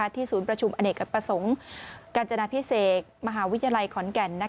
ศูนย์ประชุมอเนกประสงค์กาญจนาพิเศษมหาวิทยาลัยขอนแก่น